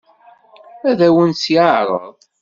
Ad awen-tt-yeɛṛeḍ?